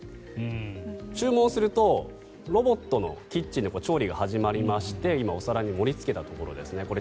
注文するとロボットのキッチンで調理が始まりまして今、お皿に盛りつけたところですね。